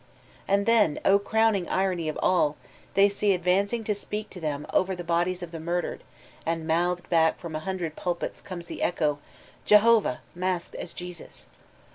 And then, O crowning irony of all, they see advancing to speak to Aem over the bodies of the murdered (and mouthed bade from a hundred pulpits comes the echo), Jehovah masked as Jesus.